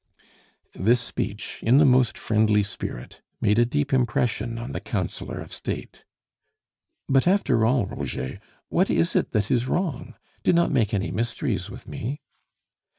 This speech, in the most friendly spirit, made a deep impression on the Councillor of State. "But, after all, Roger, what is it that is wrong? Do not make any mysteries with me."